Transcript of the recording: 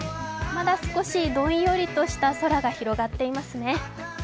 まだ、少し、どんよりとした空が広がっていますうね。